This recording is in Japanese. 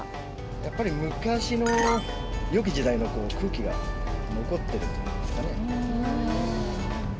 やっぱり昔のよき時代の空気が残ってるっていうんですかね。